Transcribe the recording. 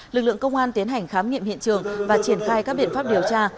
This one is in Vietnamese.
lực lượng công an tiến hành khám nghiệm hiện trường và triển khai các biện pháp điều tra